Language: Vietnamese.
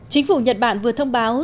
chính phủ nhật bản vừa thông báo